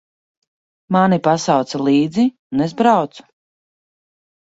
Mani pasauca līdzi, un es braucu.